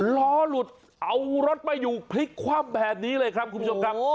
ล้อหลุดเอารถไม่อยู่พลิกคว่ำแบบนี้เลยครับคุณผู้ชมครับ